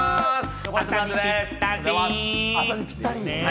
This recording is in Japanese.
朝にぴったり。